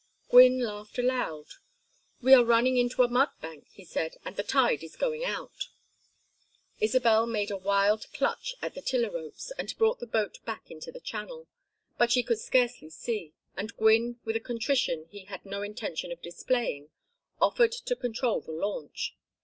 Gwynne laughed aloud. "We are running into a mud bank," he said, "and the tide is going out." Isabel made a wild clutch at the tiller ropes, and brought the boat back into the channel. But she could scarcely see, and Gwynne with a contrition he had no intention of displaying offered to control the launch.